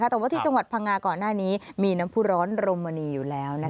แต่ว่าที่จังหวัดพังงาก่อนหน้านี้มีน้ำผู้ร้อนรมนีอยู่แล้ว